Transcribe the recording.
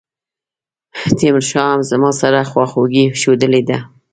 تیمورشاه هم زما سره خواخوږي ښودلې ده.